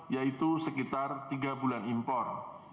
yaitu sekitar tiga bulan impor